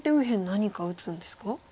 何か打つんですか？